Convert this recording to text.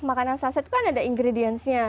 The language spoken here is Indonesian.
makanan saset kan ada ingredientsnya